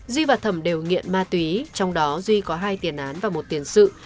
duy và thẩm đều nghiện ma túy trong đó duy có hai tiền án và một tiền sự